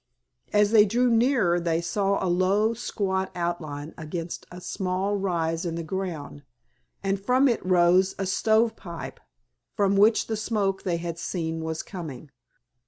As they drew nearer they saw a low, squat outline against a small rise in the ground, and from it rose a stove pipe, from which the smoke they had seen was coming.